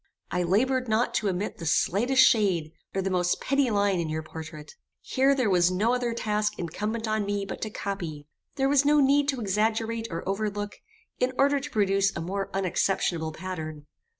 I laboured not to omit the slightest shade, or the most petty line in your portrait. Here there was no other task incumbent on me but to copy; there was no need to exaggerate or overlook, in order to produce a more unexceptionable pattern.